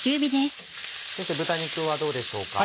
先生豚肉はどうでしょうか？